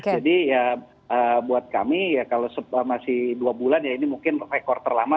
jadi ya buat kami ya kalau masih dua bulan ya ini mungkin rekor terlama